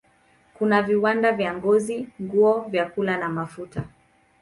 Kuna viwanda vya ngozi, nguo, vyakula na mafuta.